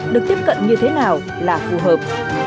được tiếp cận như thế nào là phù hợp